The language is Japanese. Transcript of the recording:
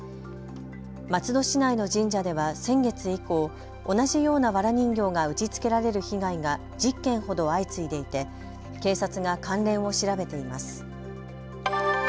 松戸市内の神社では先月以降、同じようなわら人形が打ちつけられる被害が１０件ほど相次いでいて警察が関連を調べています。